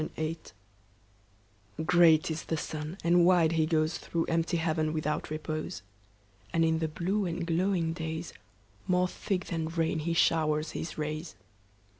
4. Summer Sun GREAT is the sun, and wide he goesThrough empty heaven without repose; And in the blue and glowing daysMore thick than rain he showers his rays.